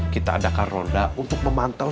kita adakan roda untuk memantau